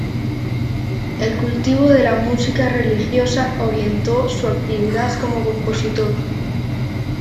El cultivo de la música religiosa orientó su actividad como compositor.